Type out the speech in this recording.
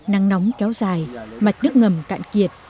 nắng nóng kéo dài mạch nước ngầm cạn kiệt